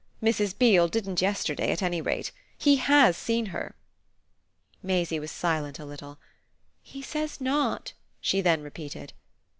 Mrs. Beale didn't yesterday at any rate. He HAS seen her." Maisie was silent a little. "He says not," she then repeated.